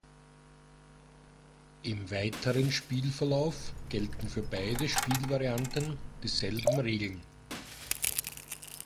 Im weiteren Spielverlauf gelten für beide Spielvarianten dieselben Regeln.